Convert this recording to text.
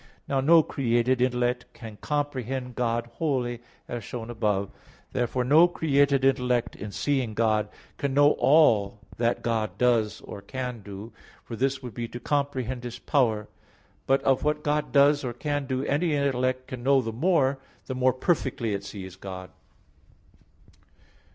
Now no created intellect can comprehend God wholly, as shown above (A. 7). Therefore no created intellect in seeing God can know all that God does or can do, for this would be to comprehend His power; but of what God does or can do any intellect can know the more, the more perfectly it sees God.